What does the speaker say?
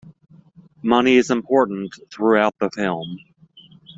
Money is important throughout the film.